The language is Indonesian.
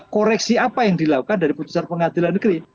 koreksi apa yang dilakukan dari putusan pengadilan negeri